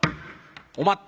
「お待っ